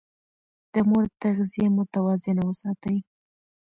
د مور تغذيه متوازنه وساتئ.